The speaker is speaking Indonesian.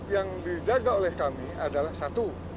yang dijaga oleh kami adalah satu